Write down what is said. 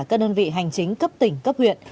các đơn vị hành chính cấp tỉnh cấp huyện